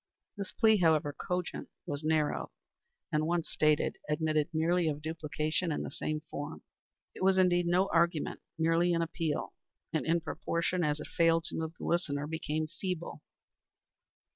This plea, however cogent, was narrow, and once stated admitted merely of duplication in the same form. It was indeed no argument, merely an appeal, and, in proportion as it failed to move the listener, became feeble.